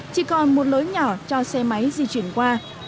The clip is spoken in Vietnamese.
chỉ còn một lối nhỏ cho xe máy di chuyển qua